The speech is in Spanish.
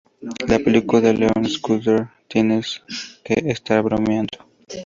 La película de Leon Schuster, "Tienes que Estar Bromeando!